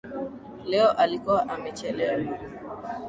Leo alikuwa amechelewa